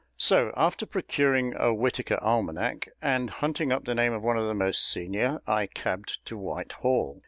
So, after procuring a Whitaker Almanack, and hunting up the name of one of the most senior, I cabbed to Whitehall.